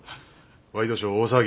ワイドショー大騒ぎ。